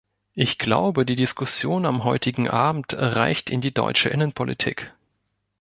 Ich glaube, die Diskussion am heutigen Abend reicht in die deutsche Innenpolitik.